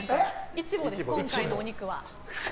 イチボです、今回のお肉は。